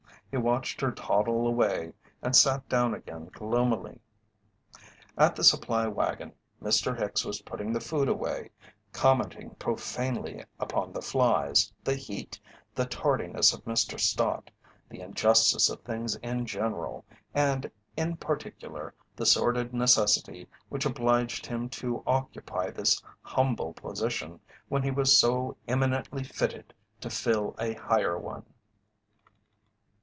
He watched her toddle away, and sat down again gloomily. At the supply wagon Mr. Hicks was putting the food away, commenting profanely upon the flies, the heat, the tardiness of Mr. Stott, the injustice of things in general, and in particular the sordid necessity which obliged him to occupy this humble position when he was so eminently fitted to fill a higher one.